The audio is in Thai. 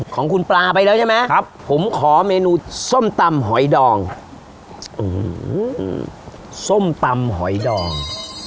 ของคุณปลาไปแล้วใช่ไหมครับผมขอเมนูส้มตำหอยดองส้มตำหอยดอง